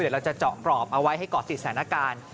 เดี๋ยวเราจะเจาะกรอบเอาไว้ให้เกาะติดสถานการณ์